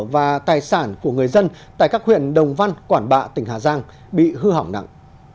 và tài sản của người dân tại các huyện đồng văn quản bạ tỉnh hà giang bị hư hỏng nặng